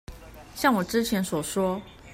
像我之前所說